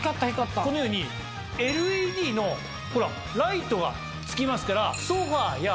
このようにＬＥＤのライトがつきますから。